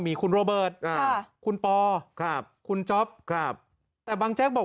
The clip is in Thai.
มีคุณโรเบิร์ตคุณปอครับคุณจ๊อปครับแต่บางแจ๊กบอก